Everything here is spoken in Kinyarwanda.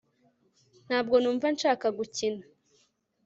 ntabwo numva nshaka gukina